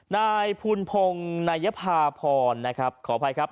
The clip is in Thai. นายภูนพงศ์นายภาพรขออภัยครับ